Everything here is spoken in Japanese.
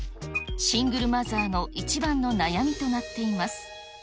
シングルマザーの一番の悩みとなっています。